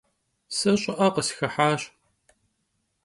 Se ş'ı'e khısxıhaş.